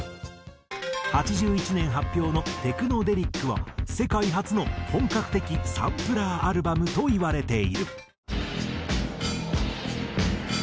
８１年発表の『テクノデリック』は世界初の本格的サンプラーアルバムといわれている。